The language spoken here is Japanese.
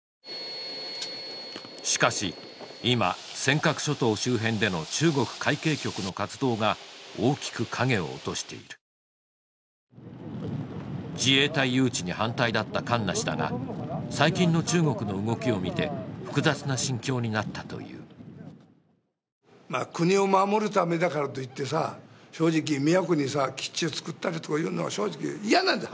しかし今尖閣諸島周辺での中国海警局の活動が大きく影を落としている自衛隊誘致に反対だった漢那氏だが最近の中国の動きを見て複雑な心境になったというまあ国を守るためだからといってさ正直宮古にさ基地をつくったりとかいうのは正直嫌なんだ